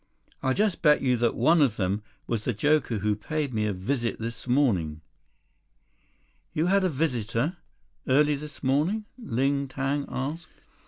"I'll just bet you that one of them was the joker who paid me a visit this morning!" "You had a visitor? Early this morning?" Ling Tang asked.